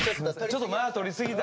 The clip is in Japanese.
ちょっと間とりすぎた？